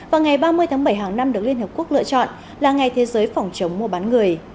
và ngày ba mươi tháng bảy hàng năm được liên hợp quốc lựa chọn là ngày thế giới phòng chống mua bán người